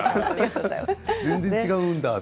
全然違うんだって。